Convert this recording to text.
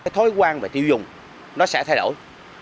cái thói quang và tiêu dùng nó sẽ thay đổi